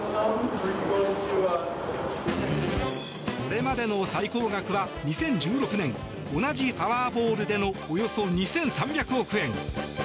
これまでの最高額は２０１６年同じパワーボールでのおよそ２３００億円。